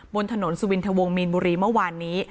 บนถนนสุวินทวงมีนบุรีเมื่อวานนี้